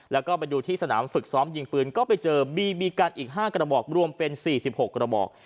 แล้วก็ไปดูที่สนามฝึกซ้อมยิงปืนก็ไปเจอบีบีกันอีก๕กระบอกรวมเป็น๔๖กระบอก